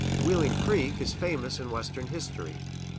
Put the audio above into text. Wheeling Creek is famous in Western history.